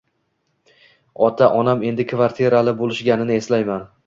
ota-onam endi kvartirali boʻlishganini eslayman.